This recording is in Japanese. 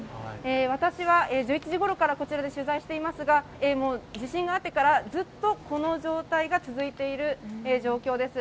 私は１１時頃からこちらで取材していますがもう地震があってからずっとこの状態が続いている状況です